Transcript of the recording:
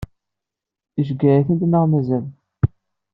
Iceggeɛ-itt-id neɣ mazal?